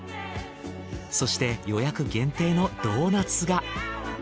そして予約限定のドーナツが。